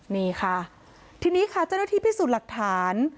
นี่ค่ะทีนี้ค่ะเจ้าหน้าที่พิสูจน์หลักฐาน